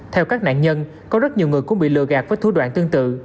theo các nạn nhân có rất nhiều người cũng bị lừa gạt với thủ đoạn tương tự